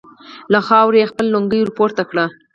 له خاورو يې خپله لونګۍ ور پورته کړه.